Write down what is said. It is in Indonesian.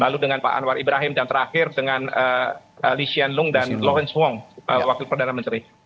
lalu dengan pak anwar ibrahim dan terakhir dengan lisien lung dan lovens wong wakil perdana menteri